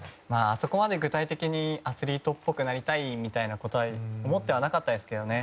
あそこまで具体的にアスリートっぽくなりたいみたいなことは思ってなかったですけどね。